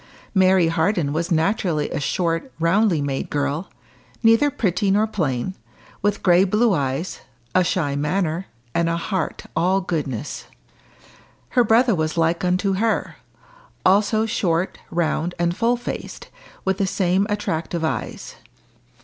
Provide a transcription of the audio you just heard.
Mary Harden was naturally a short, roundly made girl, neither pretty nor plain, with grey blue eyes, a shy manner, and a heart all goodness. Her brother was like unto her also short, round, and full faced, with the same attractive eyes.